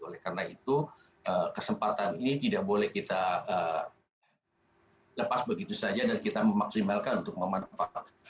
oleh karena itu kesempatan ini tidak boleh kita lepas begitu saja dan kita memaksimalkan untuk memanfaatkan